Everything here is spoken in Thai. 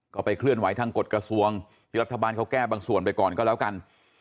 ก็ไปเคลื่อนไหวทางกฎกระทรวงที่รัฐบาลเขาแก้บางส่วนไปก่อนก็แล้วกัน